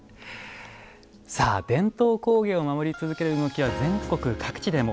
さあ伝統工芸を守り続ける動きは全国各地でも。